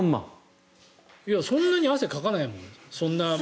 そんなに汗かかないもん。